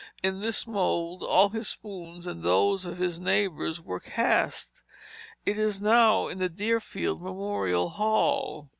In this mould all his spoons and those of his neighbors were cast. It is now in the Deerfield Memorial Hall.